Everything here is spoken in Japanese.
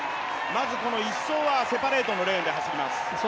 まず１走はセパレートのレーンで走ります。